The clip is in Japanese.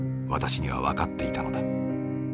私には分かっていたのだ。